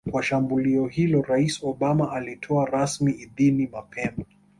kwa shambulio hilo Rais Obama alitoa rasmi idhini mapema